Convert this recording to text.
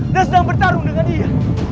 dan sedang bertarung dengan dia